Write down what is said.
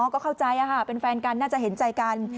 ก็เข้าใจเป็นแฟนกันน่าจะเห็นใจกัน